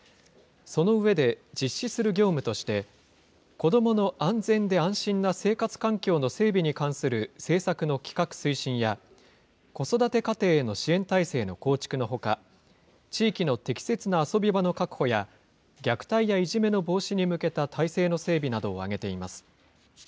その上で、実施する業務として、子どもの安全で安心な生活環境の整備に関する政策の企画・推進や、子育て家庭への支援体制の構築のほか、地域の適切な遊び場の確保や、虐待やいじめの防止に向けた体制の整備などを挙げています。